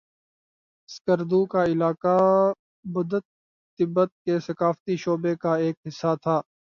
اسکردو کا علاقہ بدھت تبت کے ثقافتی شعبے کا ایک حصہ تھا